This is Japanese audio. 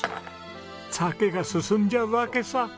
酒が進んじゃうわけさ。